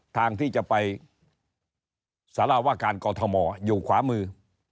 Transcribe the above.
ทางที่จะไปสารวการกอทมอยู่ขวามือ